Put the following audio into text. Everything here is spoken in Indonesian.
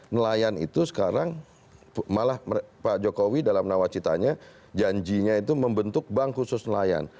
nelayan itu sekarang malah pak jokowi dalam nawacitanya janjinya itu membentuk bank khusus nelayan